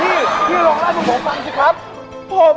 ไม่มีอะไรของเราเล่าส่วนฟังครับพี่